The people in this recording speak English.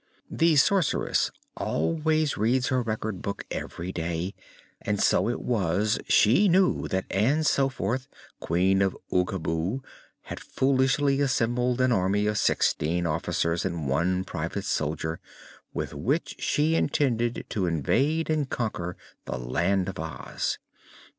The Sorceress always reads her Record Book every day, and so it was she knew that Ann Soforth, Queen of Oogaboo, had foolishly assembled an army of sixteen officers and one private soldier, with which she intended to invade and conquer the Land of Oz.